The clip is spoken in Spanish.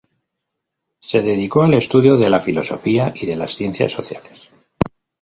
Se dedicó al estudio de la filosofía y de las ciencias sociales.